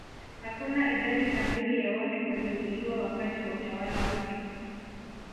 Hakuna idadi kamili ya watu waliouliwa wakati wa utawala wake